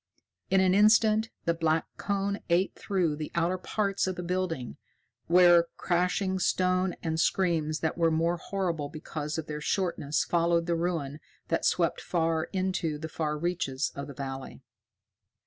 In an instant the black cone ate through the outer parts of the building, where crashing stone and screams that were more horrible because of their shortness followed the ruin that swept far into the fair reaches of the valley.